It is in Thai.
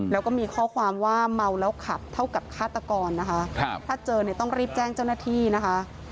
แล้วก็มีข้อความว่าเมาแล้วขับเท่ากับฆาตกรนะคะถ้าเจอเนี่ยต้องรีบแจ้งเจ้าหน้าที่นะคะ